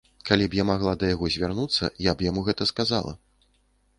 Калі б я магла да яго звярнуцца, я б яму гэта сказала.